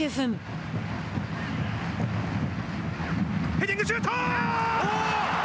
ヘディングシュート！